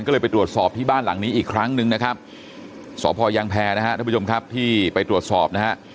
ก็เลยไปตรวจสอบที่บ้านหลังนี้อีกครั้งนึงนะครับสพยางแพรนะฮะท่านผู้ชมครับที่ไปตรวจสอบนะฮะ